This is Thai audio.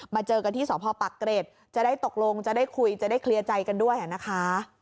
เจอกันที่สพปักเกร็ดจะได้ตกลงจะได้คุยจะได้เคลียร์ใจกันด้วยนะคะ